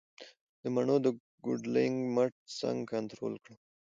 د مڼو د کوډلینګ مټ څنګه کنټرول کړم؟